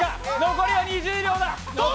残りは２０秒。